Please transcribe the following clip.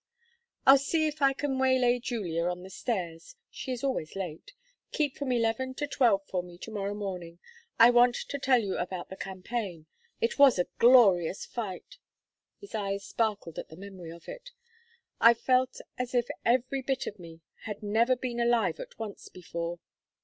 "I'll see if I can waylay Julia on the stairs; she is always late. Keep from eleven to twelve for me to morrow morning. I want to tell you about the campaign. It was a glorious fight!" His eyes sparkled at the memory of it. "I felt as if every bit of me had never been alive at once before.